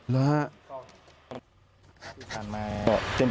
แล้ว